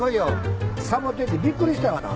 サボテンってびっくりしたがな。